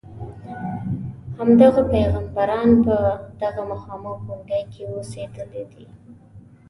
همدغه پیغمبران په دغه مخامخ غونډې کې اوسېدلي دي.